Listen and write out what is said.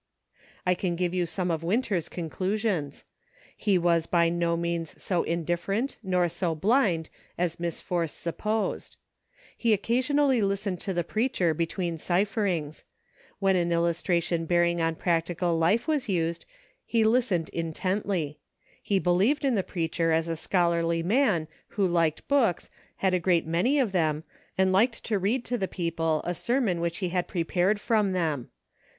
I can give you some of Winter's conclusions ; he was by no means so indifferent nor so blind as Miss Force supposed. He occasionally listened to the preacher between cipherings. When an illustration bearing on practical life was used, he listened intently ; he believed in the preacher as a scholarly man, who liked books, had a great many of them, and liked to read to the people a sermon which he had prepared from them.